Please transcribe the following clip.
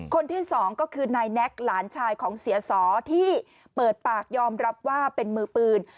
คนที่สองก็คือนายแน็กหลานชายของเสียสอที่เปิดปากยอมรับว่าเป็นมือปืน